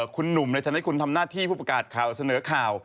คุณหนุ่มในทางเล็กคุณทำหน้าที่ผู้ประกาศเขาเสนอข่าว